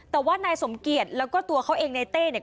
แต่ว่านายสมเกียจแล้วก็ตัวเขาเองในเต้เนี่ย